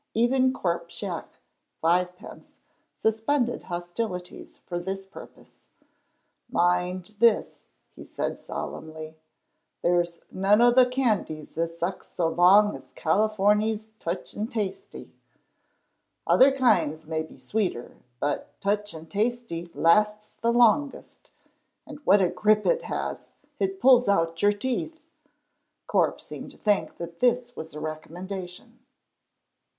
Even Corp Shiach (five pence) suspended hostilities for this purpose. "Mind this," he said solemnly, "there's none o' the candies as sucks so long as Californy's Teuch and Tasty. Other kinds may be sweeter, but Teuch and Tasty lasts the longest, and what a grip it has! It pulls out your teeth!" Corp seemed to think that this was a recommendation.